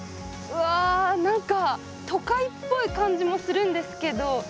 うわ何か都会っぽい感じもするんですけど。